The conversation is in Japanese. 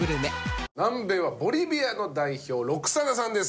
南米はボリビアの代表ロクサナさんです。